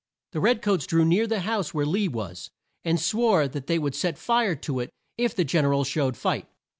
The red coats drew near the house where Lee was, and swore that they would set fire to it if the Gen er al showed fight.